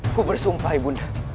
aku bersumpah ibu